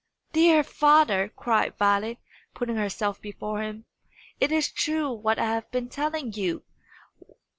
"Dear father," cried Violet, putting herself before him, "it is true what I have been telling you!